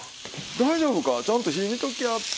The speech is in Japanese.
「大丈夫か？ちゃんと火見ときや」って。